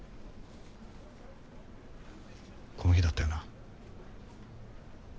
この日だったよな。